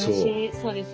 そうですよね。